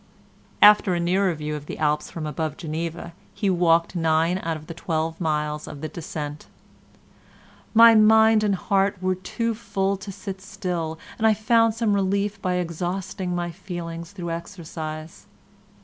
After a nearer view of the Alps from above Geneva he walked nine out of the twelve miles of the descent: "My mind and heart were too full to sit still, and I found some relief by exhausting my feelings through exercise."